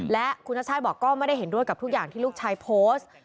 และคุณชัชชาติบอกก็ไม่ได้เห็นด้วยกับทุกอย่างที่ลูกชายโพสต์